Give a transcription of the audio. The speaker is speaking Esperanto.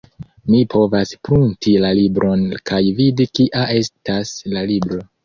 Mi povas prunti la libron kaj vidi kia estas la libro.